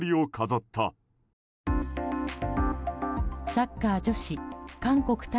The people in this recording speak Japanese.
サッカー女子韓国対